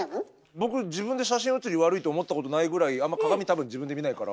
僕自分で写真うつり悪いと思ったことないぐらいあんま鏡多分自分で見ないから。